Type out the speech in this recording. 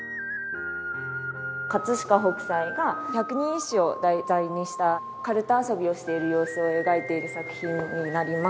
飾北斎が百人一首を題材にしたかるた遊びをしている様子を描いている作品になります。